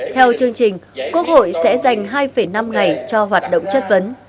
theo chương trình quốc hội sẽ dành hai năm ngày cho hoạt động chất vấn